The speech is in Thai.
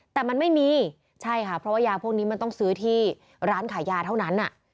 แต่มันไม่มีใช่ค่ะเพราะว่ายาพวกนี้มันต้องซื้อที่ร้านขายยาเท่านั้น